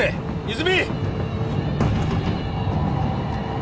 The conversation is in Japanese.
泉！